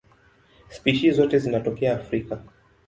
Spishi zote zinatokea Afrika.